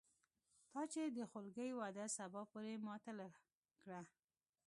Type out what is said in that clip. تا چې د خولګۍ وعده سبا پورې معطله کړه